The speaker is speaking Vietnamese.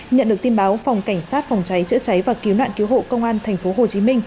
nhận được tin báo phòng cảnh sát phòng cháy chữa cháy và cứu nạn cứu hộ công an tp hcm